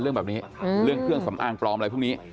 เรื่องเครื่องสำอางปลอมอะไรแบบนี้